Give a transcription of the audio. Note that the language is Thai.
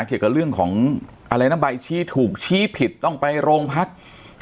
เกี่ยวกับเรื่องของอะไรนะใบชี้ถูกชี้ผิดต้องไปโรงพัก